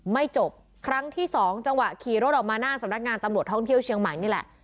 ไม่จบครั้งที่สองจังหวะขี่รถออกมาหน้าสำนักงานตำรวจท่องเที่ยวเชียงใหม่นี่แหละ